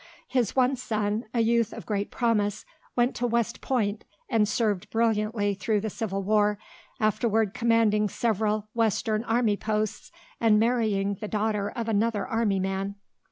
His one son, a youth of great promise, went to West Point and served brilliantly through the Civil War, afterward commanding several western army posts and marrying the daughter of another army man.